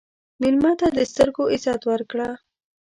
مېلمه ته د سترګو عزت ورکړه.